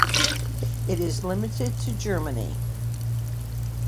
It is limited to Germany.